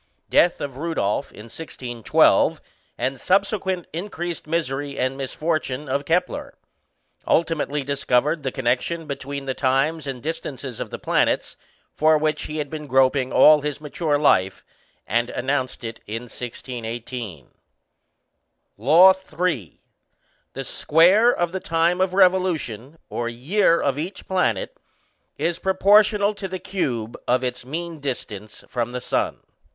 Death of Rudolph in 1612, and subsequent increased misery and misfortune of Kepler. Ultimately discovered the connection between the times and distances of the planets for which he had been groping all his mature life, and announced it in 1618: LAW III. _The square of the time of revolution (or year) of each planet is proportional to the cube of its mean distance from the sun.